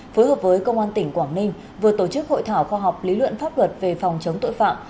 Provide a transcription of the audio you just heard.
phối hợp với công an tỉnh quảng ninh vừa tổ chức hội thảo khoa học lý luận pháp luật về phòng chống tội phạm